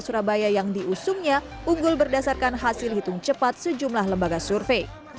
surabaya yang diusungnya unggul berdasarkan hasil hitung cepat sejumlah lembaga survei